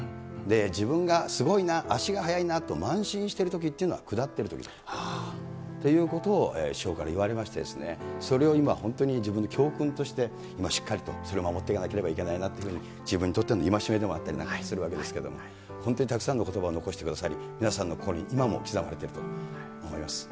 自分がすごいな、足が速いなと慢心しているときっていうのは下っているとき。っていうことを師匠から言われましてですね、それを今、本当に自分の教訓として、今、しっかりとそれを守っていかなければいけないなというふうに自分にとっての戒めであったりなんかもするわけですけれども、本当にたくさんのことばを残してくださり、皆さんの心に今も刻まれていると思います。